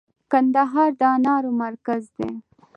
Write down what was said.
کندهار د انارو مرکز دی